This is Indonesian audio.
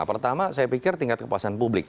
pertama saya pikir tingkat kepuasan publik